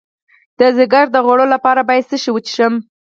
د ځیګر د غوړ لپاره باید څه شی وڅښم؟